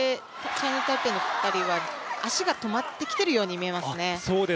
チャイニーズ・タイペイの２人は足が止まってきてるように見えますね。